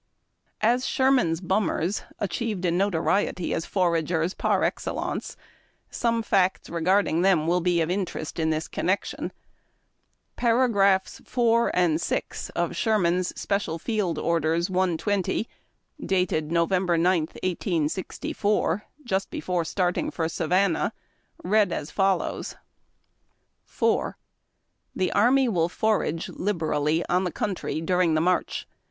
As Sherman's Bummers achieved a notoriety as foragers par excellence, some facts regarding them will be of interest in this connection. Paragraphs 4 and 6 of Sherman's Spe cial Field Orders 120, dated Nov. 9, 1864, just before start ing for Savannah, read as follows :—" 4. The army will forage liberally on the country during the march.